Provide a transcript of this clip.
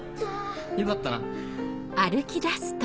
よかったな。